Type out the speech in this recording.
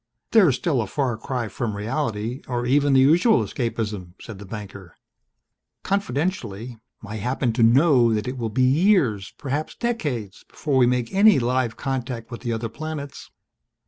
"They're still a far cry from reality, or even the usual escapism," said the banker. "Confidentially, I happen to know that it will be years perhaps decades before we make any live contact with the other planets.